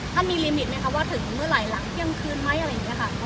ท่านมีลิมิตไหมคะว่าถึงเมื่อไหร่หลังเที่ยงคืนไหมอะไรอย่างนี้ค่ะ